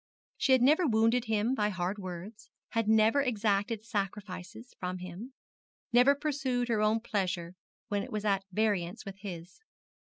She had never wounded him by hard words, had never exacted sacrifices from him, never pursued her own pleasure when it was at variance with his.